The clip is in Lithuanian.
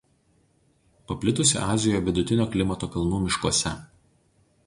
Paplitusi Azijoje vidutinio klimato kalnų miškuose.